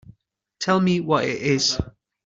Tell me what it is.